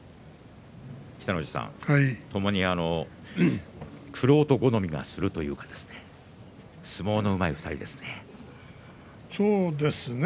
北の富士さん、ともに玄人好みがするという相撲のうまい２人ですね。